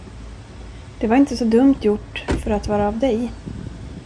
Det var inte så dumt gjort för att vara av dig.